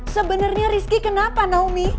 sebenernya rizky kenapa naomi